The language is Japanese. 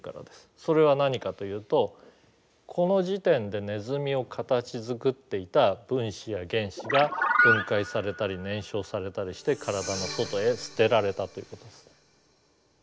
それは何かというとこの時点でネズミを形づくっていた分子や原子が分解されたり燃焼されたりして体の外へ捨てられたということです。